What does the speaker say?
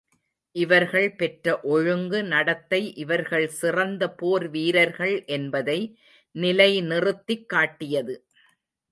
இவர்கள் பெற்ற ஒழுங்கு நடத்தை இவர்கள் சிறந்த போர் வீரர்கள் என்பதை நிலைநிறுத்திக் காட்டியது.